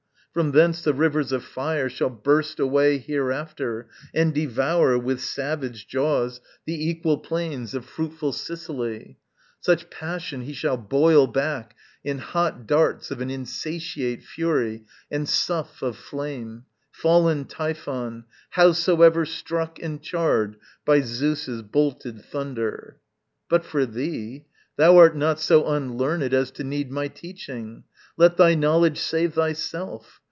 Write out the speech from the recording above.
From thence the rivers of fire shall burst away Hereafter, and devour with savage jaws The equal plains of fruitful Sicily, Such passion he shall boil back in hot darts Of an insatiate fury and sough of flame, Fallen Typhon, howsoever struck and charred By Zeus's bolted thunder. But for thee, Thou art not so unlearned as to need My teaching let thy knowledge save thyself.